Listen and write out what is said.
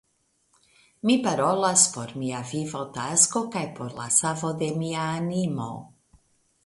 Mi parolas por mia vivotasko kaj por la savo de mia animo!